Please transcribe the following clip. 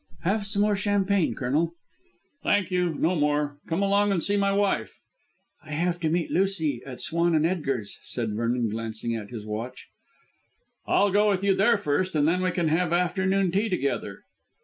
"Have some more champagne, Colonel?" "Thank you, no more. Come along and see my wife." "I have to meet Lucy at Swan & Edgar's," said Vernon glancing at his watch. "I'll go with you there first and then we can have afternoon tea together."